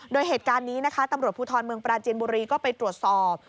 โดยเหตุการณ์นี้นะคะตำรวจภูทรเมืองปราจินบุรีก็ไปตรวจสอบ